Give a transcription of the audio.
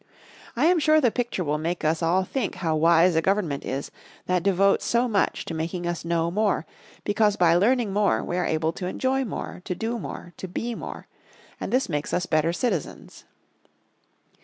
I am sure the picture will make us all think how wise a Government is that devotes so much to making us know more, because by learning more we are able to enjoy more, to do more, to be more. And this makes us better citizens.